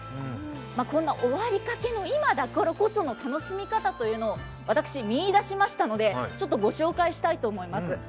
こんな終わりかけの今だからこその楽しみ方というのを私、見いだしましたので、ご紹介したいと思います。